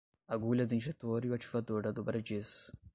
Agulha do injetor e o ativador da dobradiça